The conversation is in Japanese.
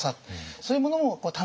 そういうものも楽しんで。